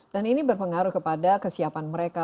dan ini berpengaruh kepada kesiapan mereka